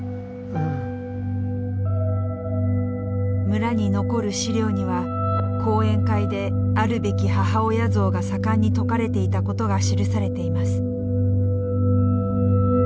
村に残る資料には講演会であるべき母親像が盛んに説かれていたことが記されています。